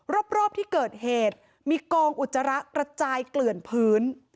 รอบที่เกิดเหตุมีกองอุจจาระกระจายเกลื่อนพื้น